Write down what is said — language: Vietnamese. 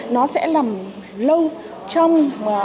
nó sẽ làm lâu trong